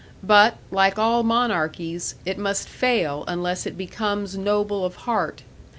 But, like all monarchies, it must fail unless it becomes noble of heart.